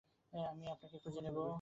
আমি তোমাকে খুঁজে নিব।